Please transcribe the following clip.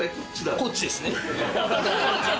こっちですね。